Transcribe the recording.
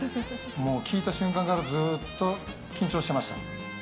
もう聞いた瞬間から、ずーっと緊張してました。